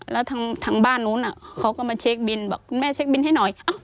แล้วทางบ้านนู้นเขาก็มาเช็คบินบอกคุณแม่เช็คบินให้หน่อย